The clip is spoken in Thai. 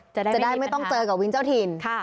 จะได้ไม่ต้องเจอกับวินเจ้าถิ่น